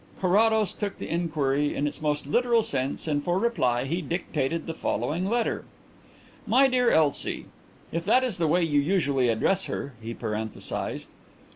Carrados took the inquiry in its most literal sense and for reply he dictated the following letter: "'MY DEAR ELSIE,' "If that is the way you usually address her," he parenthesized.